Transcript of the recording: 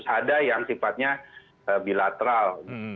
ada yang sifatnya bilateral